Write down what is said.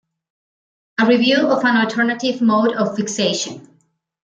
A review of an alternative mode of fixation.